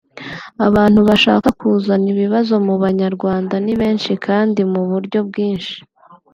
Abantu bashaka kuzana ibibazo mu banyarwanda ni benshi kandi mu buryo bwinshi